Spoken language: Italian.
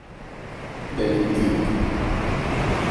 David Teague